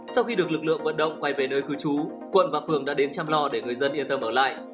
sau khi được lực lượng vận động quay về nơi khứ chú quận và phường đã đếm chăm lo để người dân yên tâm ở lại